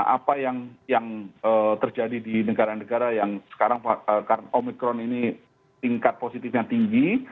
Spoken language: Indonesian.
apa yang terjadi di negara negara yang sekarang omikron ini tingkat positifnya tinggi